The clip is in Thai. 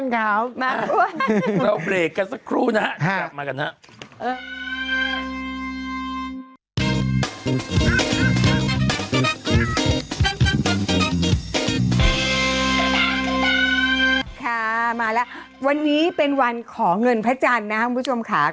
มาแล้ววันนี้เป็นวันขอเงินพระจันทร์นะครับคุณผู้ชมค่ะ